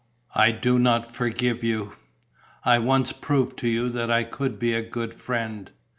"I do not forgive you." "I once proved to you that I could be a good friend."